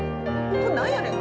「これなんやねん？